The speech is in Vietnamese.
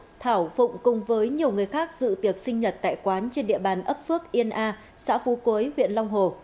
ngày ba mươi một tháng một thảo phụng cùng với nhiều người khác dự tiệc sinh nhật tại quán trên địa bàn ấp phước yên a xã phú cối huyện long hồ